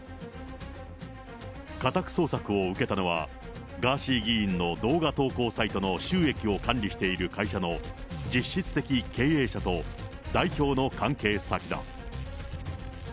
家宅捜索を受けたのは、ガーシー議員の動画投稿サイトの収益を管理している会社の実質的経営者と代表の関係先だ。